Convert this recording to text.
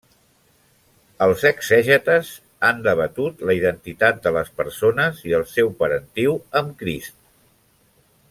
Els exegetes han debatut la identitat de les persones i el seu parentiu amb Crist.